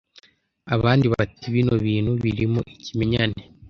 Abandi bati bino bintu birimo ikimenyane